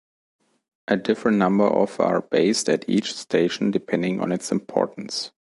A different number of are based at each station depending on its importance.